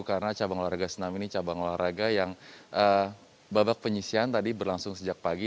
karena cabang olahraga senam ini cabang olahraga yang babak penyisian tadi berlangsung sejak pagi